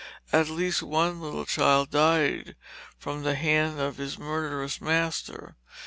At least one little child died from the hand of his murderous master.